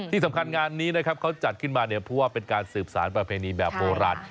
ที่สำคัญงานนี้นะครับเขาจัดขึ้นมาเนี่ยเพราะว่าเป็นการสืบสารประเพณีแบบโบราณ